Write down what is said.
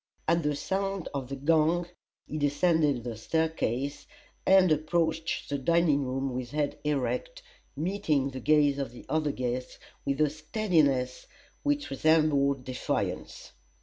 At the sound of the gong he descended the staircase, and approached the dining room with head erect, meeting the gaze of the other guests with a steadiness which resembled defiance.